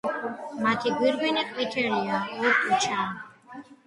მათი გვირგვინი ყვითელია, ორტუჩა.